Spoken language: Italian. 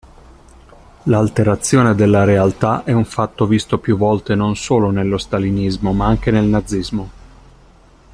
L'alterazione della realtà è un fatto visto più volte non solo nello stalinismo ma anche nel nazismo.